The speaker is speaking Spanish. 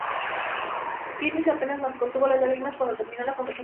Kevin apenas contuvo las lágrimas cuando terminó la conversación.